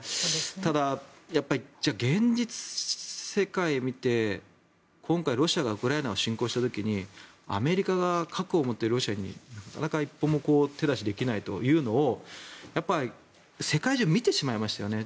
ただ、やっぱりじゃあ現実世界を見て今回、ロシアがウクライナに侵攻した時にアメリカが核を持ってロシアに、なかなか一向に手出しできないというのを世界中が見てしまいましたよね。